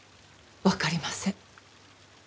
わかりません。